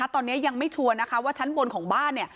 ตอนนี้ยังไม่ชัวร์นะคะว่าชั้นบนของบ้านเนี่ย